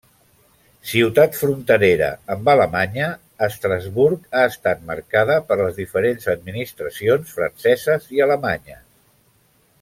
Ciutat fronterera amb Alemanya, Estrasburg ha estat marcada per les diferents administracions franceses i alemanyes.